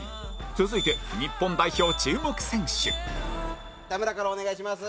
続いて日本代表注目選手田村からお願いします。